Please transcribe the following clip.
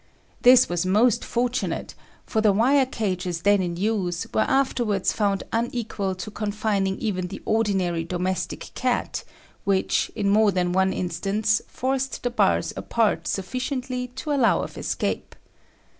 This was most fortunate, for the wire cages then in use were afterwards found unequal to confining even the ordinary domestic cat, which, in more than one instance, forced the bars apart sufficiently to allow of escape.